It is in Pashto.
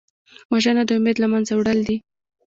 وژنه د امید له منځه وړل دي